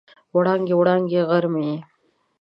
وړانګې، وړانګې غر مې یې